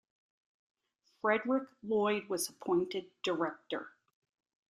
Frederick Lloyd was appointed Director.